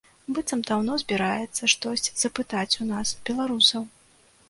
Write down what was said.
Быццам даўно збіраецца штось запытаць у нас, беларусаў.